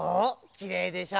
きれいでしょ。